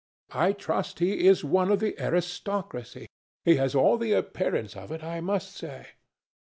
I trust he is one of the aristocracy. He has all the appearance of it, I must say.